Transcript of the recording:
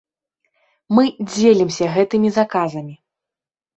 Мы дзелімся гэтымі заказамі.